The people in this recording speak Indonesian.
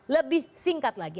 lebih singkat lagi